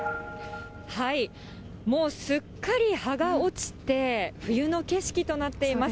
もうすっかり葉が落ちて、冬の景色となっています。